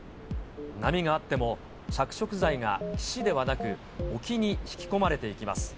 波があっても、着色剤が岸ではなく、沖に引き込まれていきます。